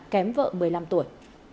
kém vợ một mươi năm tuổi